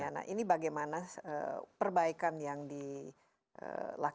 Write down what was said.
nah ini bagaimana perbaikan yang dilakukan